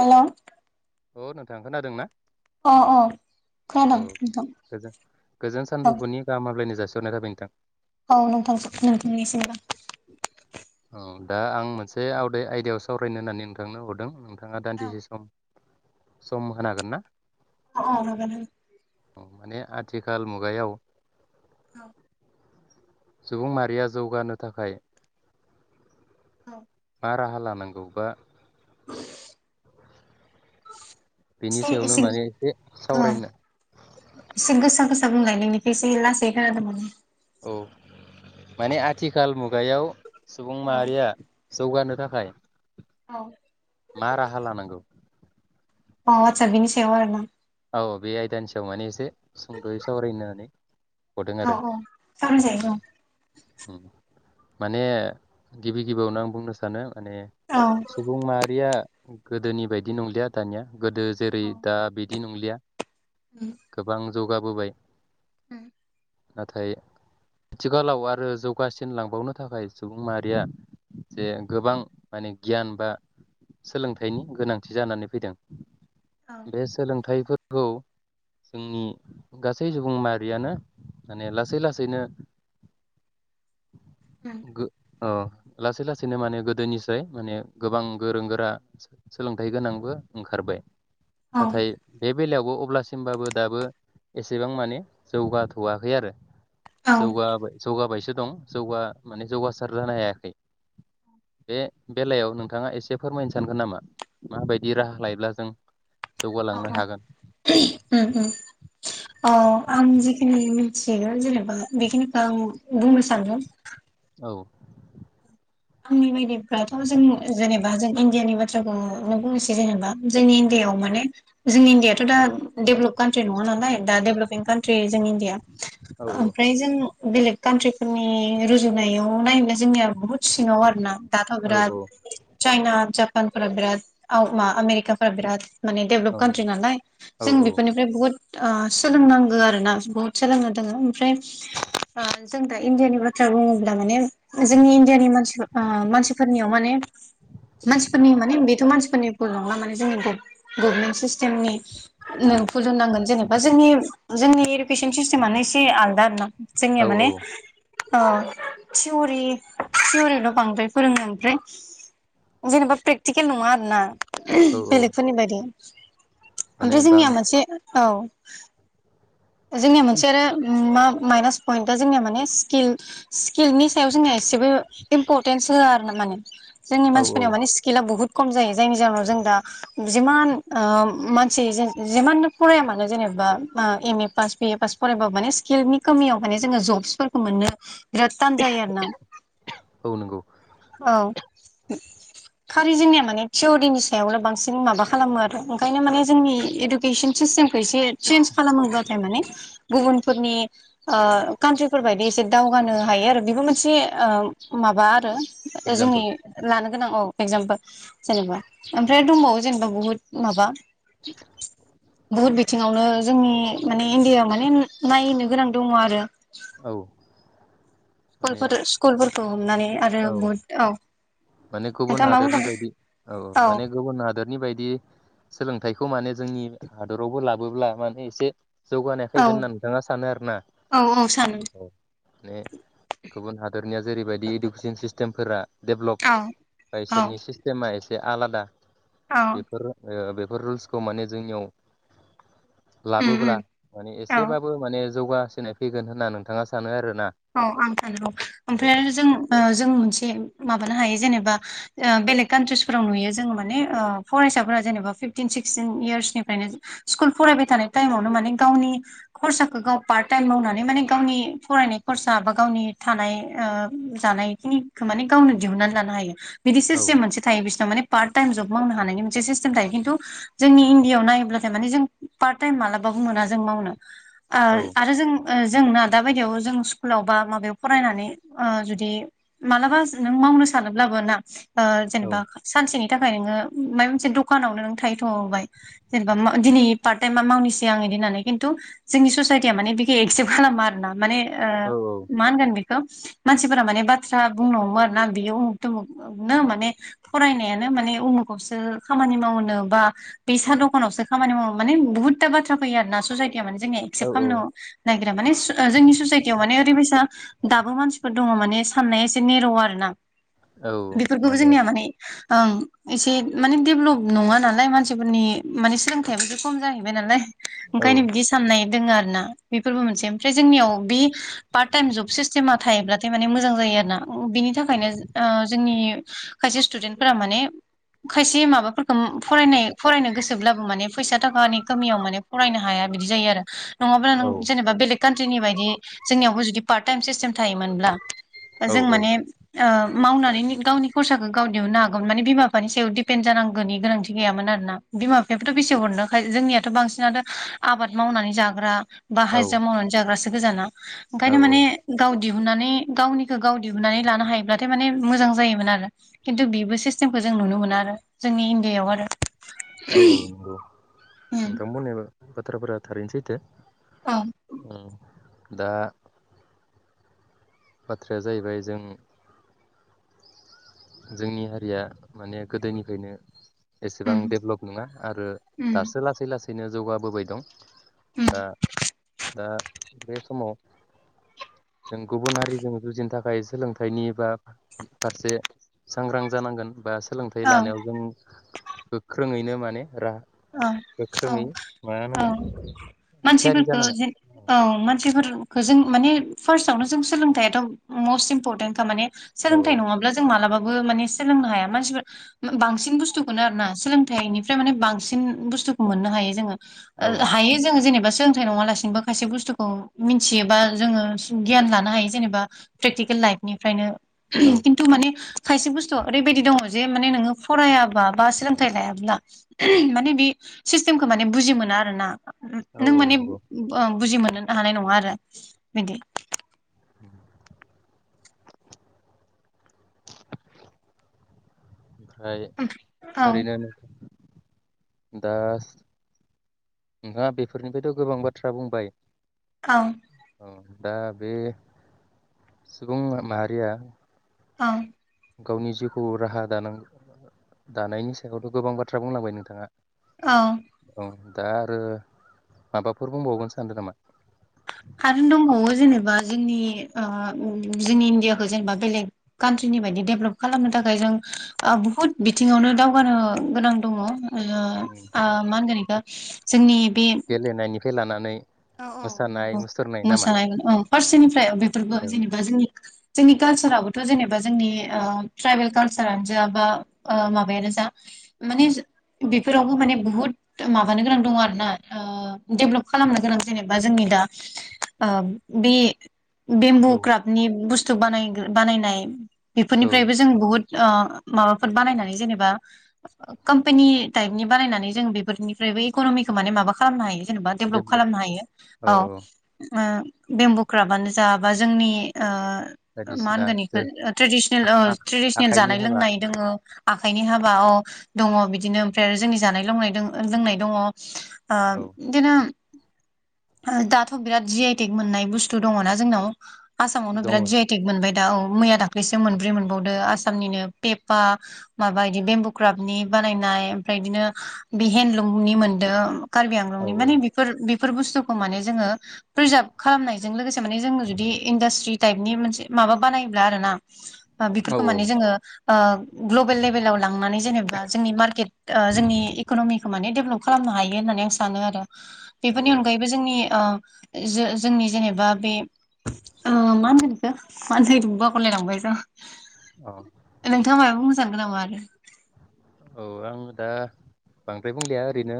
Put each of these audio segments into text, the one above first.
हेल' अ नोंथां खोनादों ना? अ अ। औ खोनादों नोंथां गोजोन गोजोन औ सानजौफुनि गाहाम हामब्लायनाय जासिगोन नाय थाबाय नोंथां। औ नोंथां नोंथांनि सिमबो। औ दा आं मोनसे आवदे आयदायाव सावरायनो होननानै नोंथांनो हरदों। थाङा औ दान्दिसे सम सम होनो हागोन ना? औ औ हागोन औ माने आथिखाल मुगायाव औ। सुबुं माहारिया जौगानो थाखाय औ। मा राहा लानांगौबा [inaudible] [inaudible] बिनि सायावनो माने एसे सावरायनो गोसा बुंलाय नोंनिखो एसे लासै खोनादों माने। अ माने आथिखाल मु गायाव सुबुं औ माहारिया जौगानो थाखाय औ मा राहा लानांगौ? अ आतसा बिनि सायाव आरो ना? औ बे आयदानि सायाव माने एसे सुंद'यै सावरायनो नानै औ औ सावरायजायो औ। उम माने गिबि गिबियावनो आं बुंनो सानो माने औ सुबुं माहारिया गोदोनि बायदि नंलिया दानिया। गोदो जेरै दा बि दि नंलिया। उम गोबां जौगाबोबाय [inaudible] नाथाय आथिखालाव आरो जौगासिन लांबावनो थाखाय सुबुं माहारिया जे गोबां माने गियान बा सोलोंथाइनि गोनांथि जानानै फैदों। औ बे सोलों थाइफोरखौ जोंनि गासै सुबुं माहारियानो माने लासै लासैनो उम गो अ लासै लासैनो माने गोदोनिस्राय माने गोबां गोरों गोरा सो-सोलोंथाइ गोनांबो ओंखारबाय। औ नाथाय बे बेलायावबो अब्लासिमबाबो दाबो एसेबां माने जौगाथ'वाखै आरो। औ जौगाबाय जौगाबायसो दं जौ माने जौगासार जानो हायाखै बे बेलायाव नोंथाङा एसे फोरमायनो सानगोन नामा माबायदि राहा लायोब्ला जों जौगालांनो ओ ओ अ आं जिखिनि मिथिगोन जेनेबा बेखिनिखौ आं बुंनो सानदों। औ आंनि बायदिब फोराथ' जों जेनेबा जों इण्डियानि बाथ्राखौनो बुंनोसै जेनेबा जोंनि इण्डियाव माने जों इण्डियाथ' दा देभलप काउन्ट्रि नङा नालाय दा देभलपपिं काउन्ट्रि जों इण्डिया। औ ओमफ्राय जों बेलेग काउन्ट्रिफोरनि रुजुनायाव नायोब्ला जोंनिया बुहुत सिङाव आरो ना दाथ' औ बिराद चाइना जापानफोरा बिराद आव मा आमेरिका फोरा बिराद माने डेभलप काउन्ट्रि नालाय औ जों औ बेफोरनिफ्राय बुहुत ओ सोलोंनांगौ आरोना बुहुत सोलोंनो दोङो ओमफ्राय ओ जों दा इण्डियानि बाथ्रा बुङोब्ला माने जोंनि डियानि मानसिफोर ओ मानसिफोरनियाव माने मानसिफोरनि माने बेथ' मानसिफोरनि बुं नंला माने जोंनि गभ गभमेट सिस्टेमनि नों उम भुलुमनांगोन जेनेबा जोंनि जोंनि पेसेन सिस्टेमानो एसे आलदा आरो ना औ जोंनिया माने ओ थिउरि थियरिल' बांद्राय फोरोङो ओमफ्राय जेनेबा प्रेक्टिकेल नङा आरोना। औ औ बेलेगफोरनि बादि। माने ओमफ्राय बां जोंनिया मोनसे औ। जोंनिया मोनसे आरो ओम मा माइनास पइटआ जोंनिया माने स्किल स्किलनि सायाव जोंनिया इसेबो इम्परटेन्स होआ आरो ना माने जोंनि औ औ मानसिफोरनियाव माने स्किला बुहुत खम जायो जायनि जाहोनाव जों दा जिमान ओ मानसि जों जिमाननो फराया मानो जेनेबा मा M A pass B A pass फरायबाबो माने स्किलनि खमियाव माने जोङो जब्सफोरखौ मोननो बिरात तान जायो आरोना। औ नोंगौ। औ खालि जोंनिया माने थिवरिनि सायावल बांसिन माबा खालामो आरो ओंखायनो माने जोंनि इडुकेसन सिस्टेमखौ एसे चेन्ज खालामोब्लाथाय माने गुबुनफोरनि ओ काउन्ट्रिफोरबायदि एसे दावगानो हायो आरो बेबो मोनसे ओ माबा आरो जोंनि एगजामपोल लानो गोनां औ एक्जामपोल जेनेबा ओमफ्राय दंबावो जेनेबा बहुत माबा बहुत बिथिङावनो जोंनि माने इण्डियायाव माने नायनो गोनां दङ आरो। औ। माने स्कुलफोर स्कुलफोरखौ हमनानै आथ औ आरो बुहुत औ। माने गुबुन नोंथाङा मा हादोरनि बुंदों बायदि औ औ माने गुबुन हादोरनि बायदि सोलोंथाइखौ खौ माने जोंनि हादरावबो लाबोब्ला माने एसे जौगानाय औ फैगोन होनना नोंथाङा सानो आरो ना औ औ सानो औ माने गुबुन हादरनिया जेरैबायदि इडुकेसन सिस्टेमफोरा देब औ बा औ इसोरनि सिस्टेमा ए से आलादा औ बेफोर ओ बेफ रुल्सखौ माने जोंनियाव उम लाबोब्ला उम माने औ एसेबाबो माने जौगासिनाय फैगोन होनना नोंथाङा सानो आरो औ आं सानगौ ओमफ्राय आरो जों ओ जों मोनसे माबानो हायो जेनेबा ओ बेलेग कानट्रिसफोराव जों माने ओ फरायसाफोरा जेनेबा फिफटिन सिक्सटिन इयारसनिफ्राय स्कुल फरायबाय थानाय टाइमावनो माने गावनि खरसाखौ गाव पार्ट टाइम मावनानै माने गावनि फरायनाय खरसा बा गावनि थानाय ओ जानायखिनिखौ माने गावनो दिहुननानै लानो हायो बिदि औ सिस्टेम मोनसे थायो बिसोरनाव माने पार्ट टाइम जब मावनो हानायनि मोनसे सिस्टेम थायो खिन्थु जोंनि इण्डियाआव नायोब्लाथाय माने जों पार्ट टाइम मालाबाबो मोना जों मावनो ओ औ आरो जों ओ जोंना दाबायदियावबो जों कुलाव बा माबायाव फरायनानै ओ जुदि मालाबा नों मावनो सानोब्लाबो ना ओ औ जेनेबा सानसेनि थाखाय नोंङो माब मोनसे दखानावनो नों थाहैथबाय जेनेबा दिनै पार्ट टाइमा मावनिसै आंङोदि होननानै खिन्थु जोंनि ससायटिया माने बिख एक्सेप्त खालामा आरो ना माने ओ औ मान गोन बे खो मानसिफोरा माने बाथ्रा बुंनो हममो आरो ना बियो उमुख थुमुगनो माने फरायनायानो माने उमुखावसो खामानि मावनो बा बे साहा दखानावसो खामानि मावनो माने बहुद था बाथ्रा फैयो आरोना सुसाइ जोंनिआ माने औ एकसेब खालामनो नागिरा माने जोंनि ससायथिआ माने बे बैसा दाबो मानसिफोर दंङ माने साननाया एसे नेर' आरो ना औ बेफोरखौबो जोंनिया माने ओं एसे माने डेभलप नङा नालाय मानसिफोरनि माने सोलोंथाइाबोथ खम जाहैबाय नालाय औ ओंखायनो बिदि साननाय दोंङो आरो ना बेफोरबो मोनसे ओमफ्राय जोंनियाव बे पार्ट टाइम जब सिस्टेमा थायोब्लाथाय माने मोजां जायो आरो ना बिनि थाखायनो ओ जोंनि खायसे स्टुडेन्टफोरा माने खायसे माबाफोरखौ फरायनाय-फरायनो गोसोब्लाबो माने फैसा थाखानि खमियाव माने फरायनो हाया बिदि जायो आरो नङाबा नों औ जेनेबा बेलेग कान्ट्रिनि बायदि जोंनियावबो जुदि पार्ट टाइम सिस्टेम थायोमोनब्ला जों औ माने ओ मावनानै गावनि खरसाखौ गाव दिहुननो हागौमोन माने बिमा बिफानि सायाव दिपेन्ड जानांगौनि गोनांथि गैयामोन आरोना बिमा बिायाबोथ बेसे हरनोखाय जोंनियाथ बांसिनथ आबाद मावनानै जाग्रा बा औ हाजिरा मावनानै जाग्रासो ए गोजाना औ ओंखायनो औ माने गाव दिहुननानै गावनिखौ गाव दिहुननानै लानो हायोब्लाथाय माने मोजां जायोमोन आरो। खिन्थु बेबो सिस्टेमखौ जों नुनो मोनो आरो। जोंनि इण्डियायाव आरो औ नंगौ। उम नोंथा बुंनाय बाथ्राफोरा थारैनो सैथो। औ औ। दा बाथ्राया जाहैबाय जों जोंनि हारिया माने गोदोनिफ्रायनो एसेबां उम डेभलप नङा आरो उम दासो लासै लासै बिनो जौगाबोबाय दं दा उम दा बे समाव जों गुबुन हारिजों जुजिनो थाखाय सोलोंथाइनि बा फारसे सांग्रां जानांगोन बा सोलोंथाइ औ लानायाव जों गोख्रोङैनो माने राहा औ औ गोख्रोङै मा औ होनांगोन थियारि मानसिफोरखौ जानांगोन जे औ मानसिफोर जों माने फार्स्टआवनो जों सोलोंथाइयाथ' मस्ट इम्परटेन्टखा माने। औ सोलोंथाइ नङाब्ला जों मालाबा बो सोलोंनो हाया मानसिफ्रा बांसिन बुसथुखौनो आरो ना सोलोंथाइनिफ्राय बांसिन बुस्थुखौ मोननो हायो जोङो। औ ओ हायो जों जेनेबा सोलोंथाइ नङा लासिनोबो खायसे बुस्थुखौ मिथियोबा जोङो गियान लानो हायो जेनेबा प्रेकटिकेल लाइफनिफ्रायनो। औ खिन्थु माने खायसे बुस्थु ओरैबायदि दङ' जे माने नोङो फरायाबा बा सोलोंथाइ लायाब्ला मे बे सिस्टेमखौ माने बुजि मोनो आरोना। औ नों औ माने नंगौ ओ बुजि मोनो। हानाय नङा आरो बिदि। ओमफ्राय औ ओरैनो दा नोंथाङा बेफोरनिफ्रायथ' गोबां बाथ्रा बुंबाय औ। औ दा बे सुबुं माहारिया औ। गावनि जिउखौ राहा दानां दानायनि सायावथ' गोबां बाथ्रा बुंलांबाय नोंथाङा। औ। औ दा आरो माबाफोर बुंबावगोन सानदों नामा? आरो दंबावो जेनेबा जोंनि जोंनि ओ इण्डियाखौ जेनेबा बेलेग कान्ट्रिनि बायदि डेभलप खालामनो थाखाय जों बुहुत बिथिङावनो दावगानो गोनां दङ'। ओ आ मा होनगोन बेखौ जोंनि बे नै औ-औ नंगौ मोसानाय औ फारसेनिफ्राय बेफोरबो औ जेनेबा जोंनि-जोंनि कालसाराबोथ' जेने बा जोंनि ओ ट्राइबेल कलसारेल जा बा माबायानो जा माने बेफोरावबो माने बुहुत माबानो गोनां दङ आरोना ओ डेभेलप खालामनो गोनां जेनेबा जोंनि दा ओ बे बेम्बु औ क्राप्टनि बुस टु बानाय-बानायनाय औ बेफोरनिफ्रायबो जों बुहुत ओ माबाफोर बानायनानै जेनेबा कम्पानि टाइपनि बानायनानै जों बेफोरनिफ्रायबो इक'नमिखौ माने माबा खालामनो हायो। जेनेबा डेभलप खालामनो हायो। औ औ-औ। ओ बेमबुक्राबानो जाबा जोंनि ओ मा बायदिसिना होनगोन इखो ट्रेडिसनेल ओ ट्रेडिसनेल आखाइनि जानाय हाबा लोंनाय दोङो। आखाइनि हाबा अ दङ बिदिनो ओमफ्राय आरो जोंनि जानाय लोंनाय-लोंनाय दङ। आ औ इदिनो। दाथ बिराद जि आइटेक मोननाय बुस्थु दङना जोंनाव। आसामावनो दङ बिराद औ जिआइटेक मोनबाय। दा औ मैया दाख्लैसो मोनब्रै मोनबावदों आसामनिनो पेपा माबा इदि बेम्बुक्राफ्टनि बानायनाय ओमफ्राय बिदिनो बे हेन्दलुमनि मोनदों। कारबि औ आंलंनि माने बेफोर बे- बेफोर बुस्थु खौ माने जोङो प्रिजार्भ खालामनायजों लोगोसे माने जों जुदि इण्डास्ट्रि टाइपनि मोनसे माबा बानायब्ला आरोना। औ बेफोरखौ माने जोङो ओ ग्लबेल लेभेलाव लांनानै जेनेबा जोंनि मार्केट जोंनि इकनमिखौ माने डेभलप खालामनो हायो होननानै आं सानो आरो। बेफोरनि अन जोंनि ओ जो-जोंनि जेनेबा बे ओ मा होनगोन इखो मा होन नागिरदोमोन बावगारलायलांबाय ज। औ नोंथाङा मायबा बुंसान्दों नामा? [inaudible] औ आं दा बांद्राय बुंलिया ओरैनो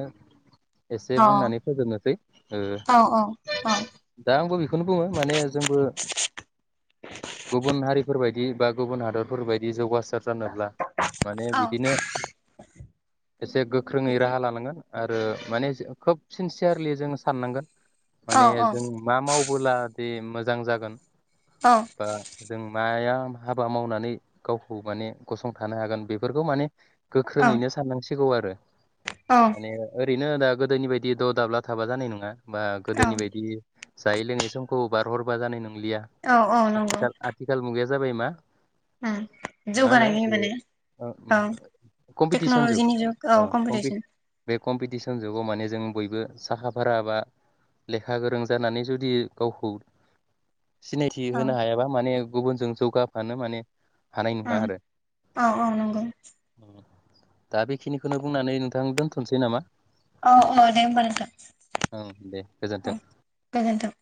एसे अ बुंनानै फोजोबनोसै ओ औ औ औ दा आंबो बेखौनो बुङो माने जोंबो गुबुन हारिफोरबायदि बा गुबुन हादरफोरबायादि जौगास- सार जानोब्ला माने बिदि एसे-एसे गोख्रोङै राहा लानांगोन। आरो माने खोब सिनसियारलि जोङो साननांगोन। औ माने जों मा मावबोला दे मोजां जागोन औ बा जों माया हाबा मावनानै गावखौ माने गसंथानो हागोन बेफोरखौ माने औ गोख्रोङैनो साननांसिगोन सिगौ आरो माने ओ ओरैनो दा गोदोनि बायदि द दाब्ला थाबा जानाय नङा बा गोदोनि औ बायदि जायै लोङै समखौ बारहरबा जानाय नं लिया औ औ नंगौ आथिखाल आथिखाल मुगाया जाबाय मा मा होनो जौगानायनि माने औ बे कम्पिटिसन टेक्न'लजिनि औ जुग कम्पिटिसन बे कम्पिटिसन जुगाव माने जों बयबो साहा फारा बा लेखा गोरों जानानै जुदि गावखौ सिनायथि औ होनो हायाबा माने गुबुनजों जौगाफानो माने हानाय नङा ओं आरो औ औ नंगौ दा बेखिनिखौनो बुंनानै नोंथां दोनथ'सै नामा अ अ दे ओमबालाय नोंथां ओं दे गोजोन्थों। ओं गोजोन्थों